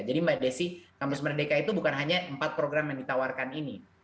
jadi mbak desi kampus merdeka itu bukan hanya empat program yang ditawarkan ini